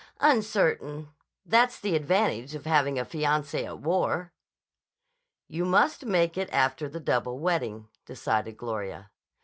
"Uncertain. That's the advantage of having a fiancé at war." "You must make it after the double wedding," decided Gloria.